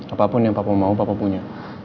apapun yang mau mau punya